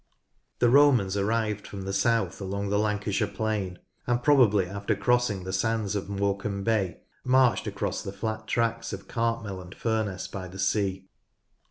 The Romans arrived from the south along the Lan cashire plain, and probably after crossing the sands of Morecambe Bay, marched along the flat tracts of Cartmel and Furness by the sea.